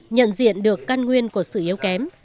nhận diện được căn nguyên của sự yếu kém